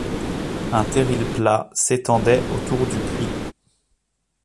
Un terril plat s’étendait autour du puits.